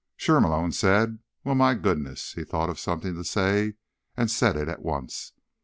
"Sure," Malone said. "Well. My goodness." He thought of something to say, and said it at once.